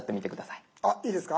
いいですか？